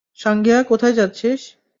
সাঙ্গেয়া, কোথায় যাচ্ছিস?